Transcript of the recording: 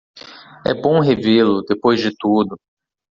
É bom revê-lo, depois de tudo